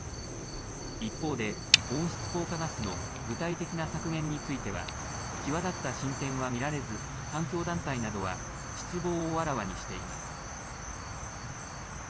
一方で、温室効果ガスの具体的な削減については際立った進展は見られず環境団体などは失望をあらわにしています。